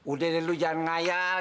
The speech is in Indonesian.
udah de lo jangan ngayal